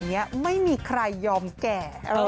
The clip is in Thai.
เหมือนแบบนี้ไม่มีใครยอมแก่